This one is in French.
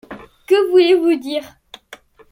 Que voulez-vous dire